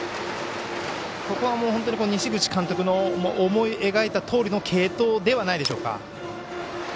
ここは本当に西口監督の思い描いたとおりの継投ではないでしょうか。